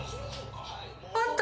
あった！